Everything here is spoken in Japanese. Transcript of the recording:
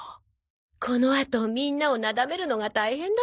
このあとみんなをなだめるのが大変だったのよね。